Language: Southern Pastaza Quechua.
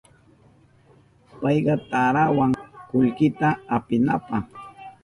Payka tarawan kullkita apinanpa.